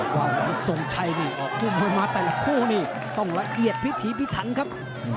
มวยดูสงชัยนี่ออกมาแต่ละคู่เนี่ยต้องละเอียดพิธีพิทันครับ